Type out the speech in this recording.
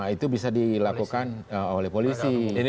itu bisa dilakukan oleh polisi